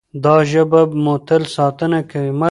دا ژبه به مو تل ساتنه کوي.